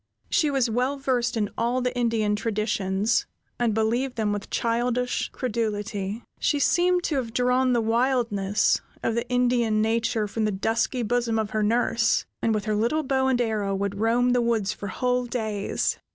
She was well versed in all the Indian traditions, and believed them with childish credulity. She seemed to have drawn the wildness, of the Indian nature from the dusky bosom of her nurse, and with her little bow and arrow would roam the woods for whole days.